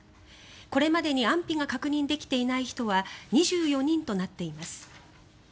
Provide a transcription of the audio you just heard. これまでに安否が確認できていない人は２４人となっています。